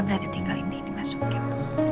berarti tinggal ini ini masukin